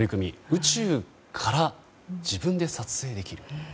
宇宙から自分で撮影できる。